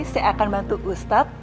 saya akan bantu ustadz